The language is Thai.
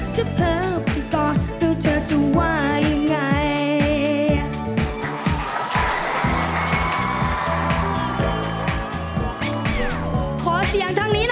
เผลอไปก่อนแล้วเธอจะว่ายังไง